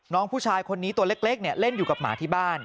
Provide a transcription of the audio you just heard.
น้องผู้ชายคนนี้ตัวเล็กเล่นอยู่กับหมาที่บ้าน